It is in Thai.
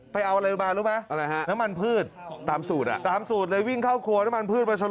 ไปเอาอะไรมารู้ไหมน้ำมันพืชตามสูตรเลยวิ่งเข้าครัวน้ำมันพืช